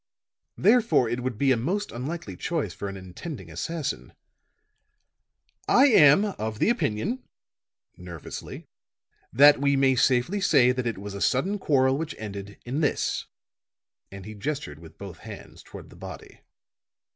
Therefore, it would be a most unlikely choice for an intending assassin. I am of the opinion," nervously, "that we may safely say that it was a sudden quarrel which ended in this," and he gestured with both hands toward the body.